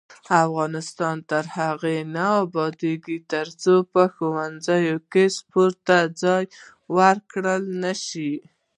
افغانستان تر هغو نه ابادیږي، ترڅو په ښوونځیو کې سپورت ته ځای ورکړل نشي.